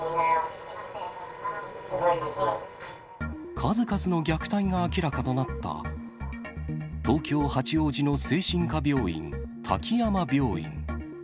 数々の虐待が明らかとなった、東京・八王子の精神科病院、滝山病院。